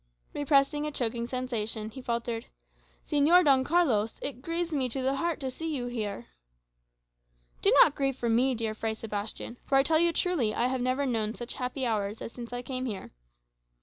Repressing a choking sensation, he faltered, "Señor Don Carlos, it grieves me to the heart to see you here." "Do not grieve for me, dear Fray Sebastian; for I tell you truly, I have never known such happy hours as since I came here.